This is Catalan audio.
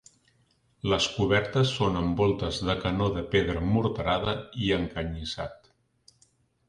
Les cobertes són amb voltes de canó de pedra morterada i encanyissat.